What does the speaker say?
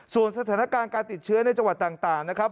ส่วนสถานการณ์การติดเชื้อในจังหวัดต่างนะครับ